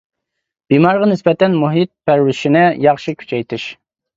بىمارغا نىسبەتەن مۇھىت پەرۋىشىنى ياخشى كۈچەيتىش.